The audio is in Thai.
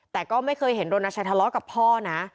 แต่ก็ไม่เคยเห็นรณชัยทะเลาะกับพ่อนะ